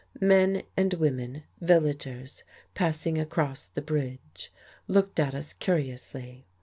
Men and women, villagers, passing across the bridge, looked at us curiously.